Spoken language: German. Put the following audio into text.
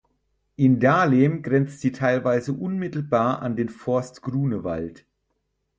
In Dahlem grenzt sie teilweise unmittelbar an den Forst Grunewald.